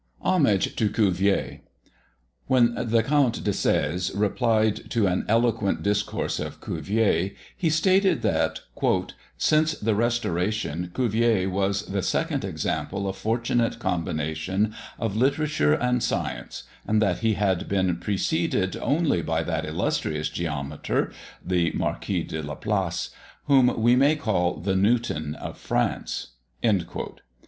HOMAGE TO CUVIER. When the Count de Seze replied to an eloquent discourse of Cuvier, he stated that, "since the Restoration, Cuvier was the second example of fortunate combination of literature and science, and that he had been preceded only by that illustrious geometer, (the Marquis de Laplace), whom we may call the Newton of France."